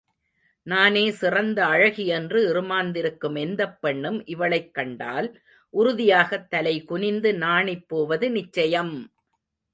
நானே சிறந்த அழகி என்று இறுமாந்திருக்கும் எந்தப் பெண்ணும் இவளைக் கண்டால், உறுதியாகத் தலைகுனிந்து நாணிப்போவது நிச்சயம்!